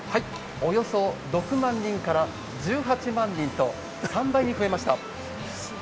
およそ６万人から１８万人と３倍に増えました。